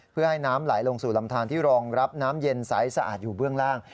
เพื่อให้น้ำไหลลงสู่ลำทานที่รองรับน้ำเย็นใสสะอาดอยู่เบื้องล่าง